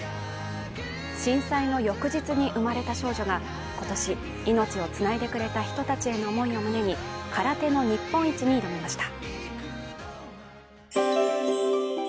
震災の翌日に生まれた少女が、今年命を繋いでくれた人たちへの思いを胸に空手の日本一に挑みました。